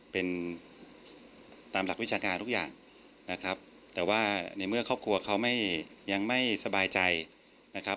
เป็นตามหลักวิชาการทุกอย่างนะครับแต่ว่าในเมื่อครอบครัวเขายังไม่สบายใจนะครับ